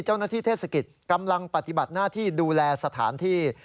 เทศกิจกำลังปฏิบัติหน้าที่ดูแลสถานที่